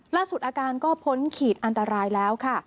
อาการก็พ้นขีดอันตรายแล้วค่ะ